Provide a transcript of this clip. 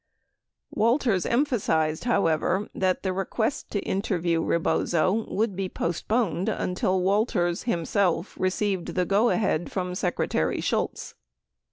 Walters emphasized, however, that the request to interview Rebozo would be postponed until Walters himself received the go ahead from Secretary Shultz.